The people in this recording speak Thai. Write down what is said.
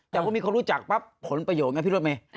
แต่พอมีคนรู้จักปั๊บผลประโยชนไงพี่รถเมย์